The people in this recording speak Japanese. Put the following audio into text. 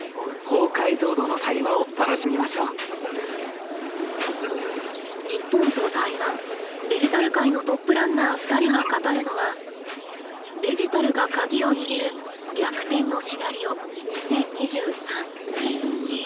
さあ日本と台湾デジタル界のトップランナー２人が語るのは「デジタルがカギを握る逆転のシナリオ２０２３」。